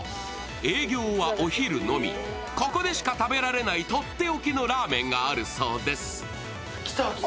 営業はお昼のみ、ここでしか食べられないとっておきのラーメンがあるそうです。